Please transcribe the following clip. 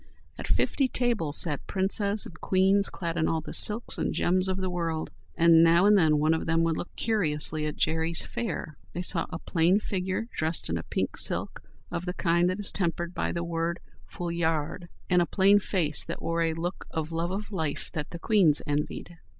At fifty tables sat princes and queens clad in all the silks and gems of the world. And now and then one of them would look curiously at Jerry's fare. They saw a plain figure dressed in a pink silk of the kind that is tempered by the word "foulard," and a plain face that wore a look of love of life that the queens envied.